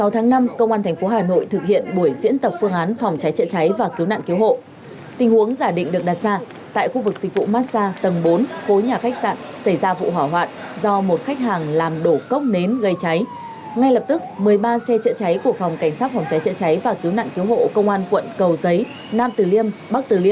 thoát hiện thoát nạn trong đám cháy xảy ra